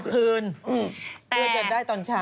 เพื่อเจอได้ตอนเช้า